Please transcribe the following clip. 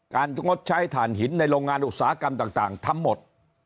งดใช้ฐานหินในโรงงานอุตสาหกรรมต่างทำหมด